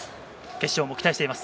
決勝も期待しています。